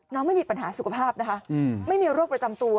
ไม่มีปัญหาสุขภาพนะคะไม่มีโรคประจำตัว